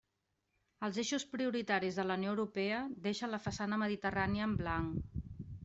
Els eixos prioritaris de la Unió Europea deixen la façana mediterrània en blanc.